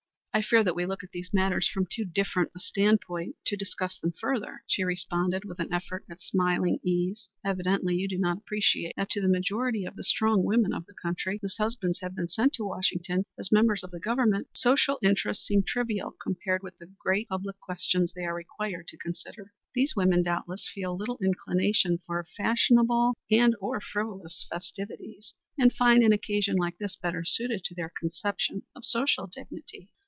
"I fear that we look at these matters from too different a standpoint to discuss them further," she responded, with an effort at smiling ease. "Evidently you do not appreciate that to the majority of the strong women of the country whose husbands have been sent to Washington as members of the Government social interests seem trivial compared with the great public questions they are required to consider. These women doubtless feel little inclination for fashionable and or frivolous festivities, and find an occasion like this better suited to their conception of social dignity."